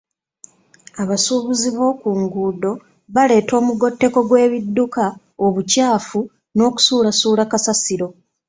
Abasuubuzi b'oku nguudo baleeta omugotteko gw'ebidduka, obukyafu n'okusuulasuula kasasiro.